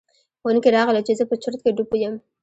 ښوونکي راغلل چې زه په چرت کې ډوب یم.